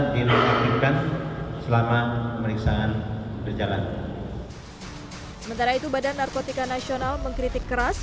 dinonaktifkan selama pemeriksaan berjalan sementara itu badan narkotika nasional mengkritik keras